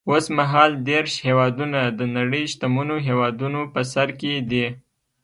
اوس مهال دېرش هېوادونه د نړۍ شتمنو هېوادونو په سر کې دي.